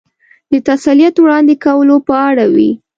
د تسلیت وړاندې کولو په اړه وې.